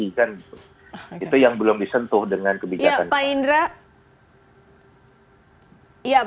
itu yang belum disentuh dengan kebijakan